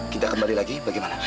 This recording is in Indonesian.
kita kembali lagi bagaimana